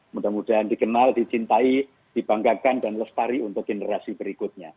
mudah mudahan dikenal dicintai dibanggakan dan lestari untuk generasi berikutnya